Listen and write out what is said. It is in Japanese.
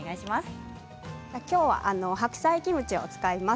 今日は白菜キムチを使います。